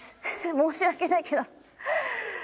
申し訳ないけど。